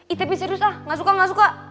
ih tapi serius lah nggak suka nggak suka